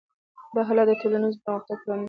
دا حالت د ټولنیز پرمختګ پر وړاندې خنډ دی.